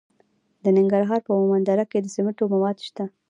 د ننګرهار په مومند دره کې د سمنټو مواد شته.